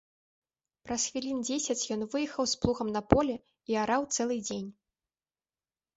Праз хвілін дзесяць ён выехаў з плугам на поле і араў цэлы дзень.